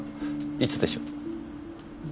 いつでしょう？